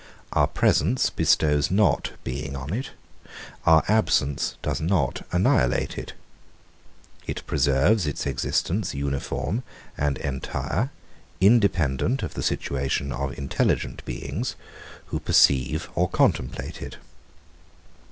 Our presence bestows not being on it: our absence does not annihilate it. It preserves its existence uniform and entire, independent of the situation of intelligent beings, who perceive or contemplate it.